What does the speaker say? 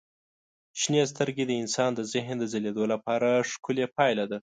شنې سترګې د انسان د ذهن د ځلېدو لپاره ښکلي پایله ده.